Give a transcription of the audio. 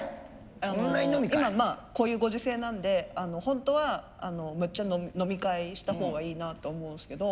今まあこういうご時世なんでホントはむっちゃ飲み会したほうがいいなと思うんすけど。